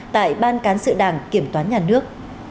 tại ban cán sự đảng kiểm toán nhà nước